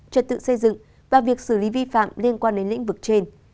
trật tự xây dựng và việc xử lý vi phạm liên quan đến lĩnh vực trên